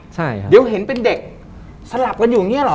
ใช่ครับเดี๋ยวเห็นเป็นเด็กสลับกันอยู่อย่างเงี้เหรอ